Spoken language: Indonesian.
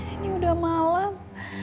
ini udah malam